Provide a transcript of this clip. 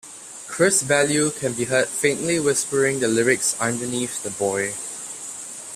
Chris Ballew can be heard faintly whispering the lyrics underneath the boy.